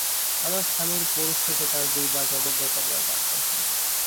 আমার স্বামীর পৌরুষকে তাঁর দুই ভাজ অবজ্ঞা করবার ভান করতেন।